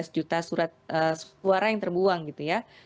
tiga belas juta suara yang terbuang gitu ya